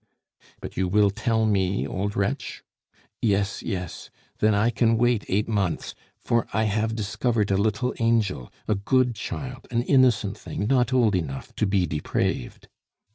"But you will tell me, old wretch?" "Yes, yes. Then I can wait eight months, for I have discovered a little angel, a good child, an innocent thing not old enough to be depraved."